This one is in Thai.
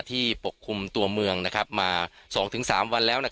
ปกคลุมตัวเมืองมา๒๓วันแล้ว